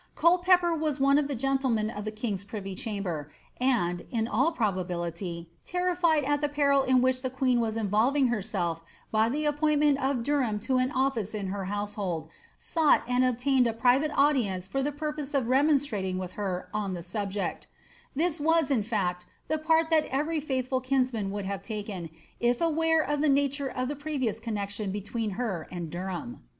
Culpepper was one of the gentlemen of the king's privy chamber, and, in all probability, terrified at the peril in which the queen was involving herself by the appointment of Derham to an offiet in her household, sought and obtained a private audience for the purpose of remonstrating with her on the subject This was, in fact, the part that every faithful kinsman would have taken, if aware of the natare of the previous connexion between her and Derham.